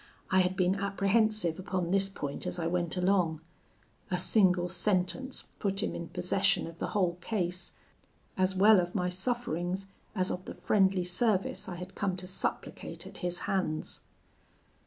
I had been apprehensive upon this point as I went along. A single sentence put him in possession of the whole case, as well of my sufferings, as of the friendly service I had come to supplicate at his hands.